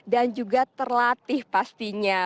dan juga terlatih pastinya